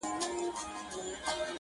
ټولو پردی کړمه؛ محروم يې له هيواده کړمه.